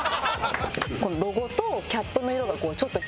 このロゴとキャップの色がこうちょっと。